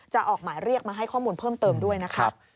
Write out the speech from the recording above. จะออกหมายเรียกมาให้ข้อมูลเพิ่มเติมด้วยนะครับ